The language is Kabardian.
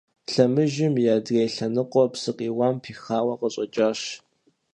Лъэмыжым и адрей лъэныкъуэр псы къиуам пихауэ къыщӀэкӀащ.